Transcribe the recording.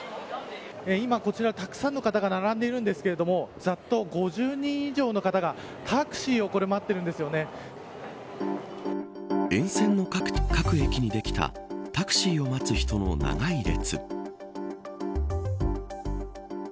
今こちら、たくさんの方が並んでいるんですけれどもざっと５０人以上の方がタクシーを沿線の各駅にできたタクシーを待つ人の長い列。